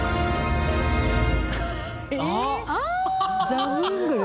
ザブングル。